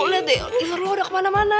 lihat deh lu udah kemana mana